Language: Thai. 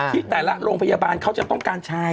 ที่แต่ละโรงพยาบาลเขาจะต้องการใช้